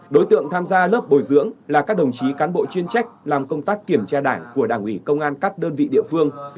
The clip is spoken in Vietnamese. đối tượng tham gia lớp bồi dưỡng là các đồng chí cán bộ chuyên trách làm công tác kiểm tra đảng của đảng ủy công an các đơn vị địa phương